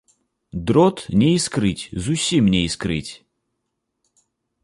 Дрот не іскрыць, зусім не іскрыць.